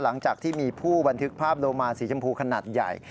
หลังจากที่มีผู้บันทึกภาพโลมาสีชมพูขนาดใหญ่